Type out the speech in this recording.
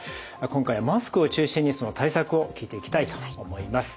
今回はマスクを中心にその対策を聞いていきたいと思います。